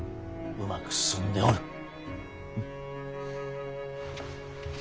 うまく進んでおる。